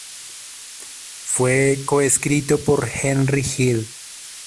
Fue co-escrito por Henry Hill.